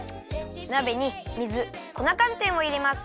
なべに水粉かんてんをいれます。